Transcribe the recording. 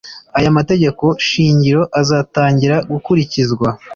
Aya mategeko shingiro azatangira gukurikizwa